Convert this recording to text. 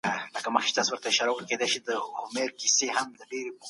د ښوونکي لارښوونه نږدې وي.